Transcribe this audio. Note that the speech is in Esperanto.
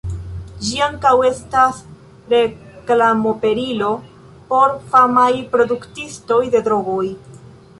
Ĝi ankaŭ estas reklamoperilo por famaj produktistoj de drogoj.